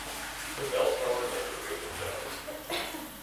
The bell tower has a ring of bells.